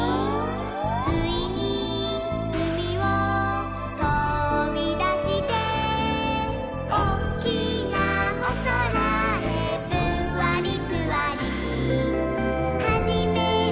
「ついにうみをとびだして」「おっきなおそらへぷんわりぷわり」「はじめまして